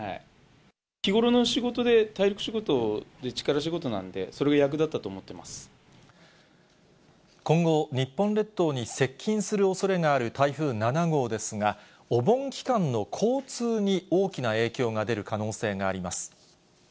日ごろの仕事で、体力仕事で、力仕事なんで、今後、日本列島に接近するおそれがある台風７号ですが、お盆期間の交通に大きな影響が出る可能性があります。